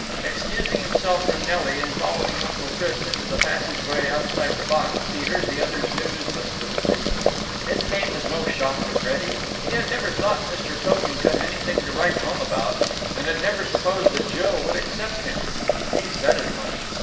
Excusing himself from Nelly and following Uncle Chris into the passage way outside the box, he heard the other's news listlessly. It came as no shock to Freddie. He had never thought Mr. Pilkington anything to write home about, and had never supposed that Jill would accept him. He said as much.